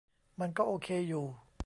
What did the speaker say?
มันก็โอเคอยู่